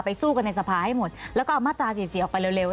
สู้กันในสภาให้หมดแล้วก็เอามาตรา๔๔ออกไปเร็ว